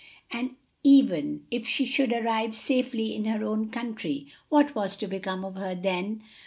And even if she should arrive safely in her own country, what was to become of her then?